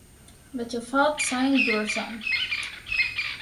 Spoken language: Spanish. Le Chaffaut-Saint-Jurson